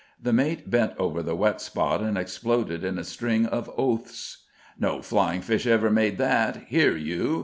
The mate bent over the wet spot and exploded in a string of oaths. "No flying fish ever made that! Here, you!"